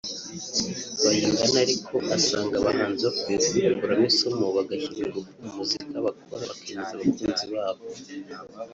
Bayingana ariko asanga abahanzi bakwiye kubikuramo isomo bagashyira ingufu mu muziki bakora bakemeza abakunzi babo